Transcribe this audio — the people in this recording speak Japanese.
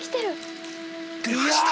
出ました！